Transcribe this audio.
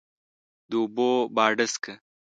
د اوبو باډسکه،